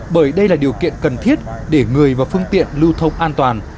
bởi đây là điều kiện cần thiết để người và phương tiện lưu thông an toàn